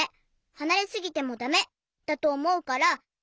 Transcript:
はなれすぎてもだめだとおもうから②ばん！